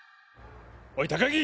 おい高木！